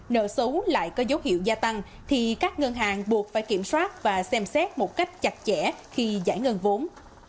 nợ xấu lại có dấu hiệu gia tăng thì các ngân hàng buộc phải kiểm soát và xem xét một cách chặt chẽ khi giải ngân vốn